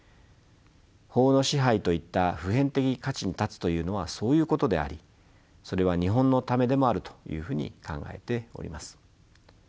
法の支配といった普遍的価値に立つというのはそういうことでありそれは日本のためでもあるというふうに考えております。